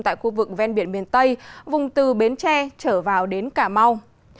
tại khu vực ven biển miền tây vùng từ bến tre trở vào đến cà mau